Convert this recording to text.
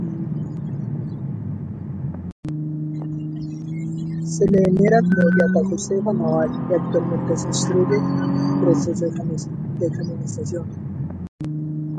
Se le venera como Beata Josefa Naval y actualmente se instruye proceso de canonización.